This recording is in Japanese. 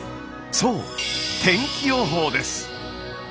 そう天気予報です。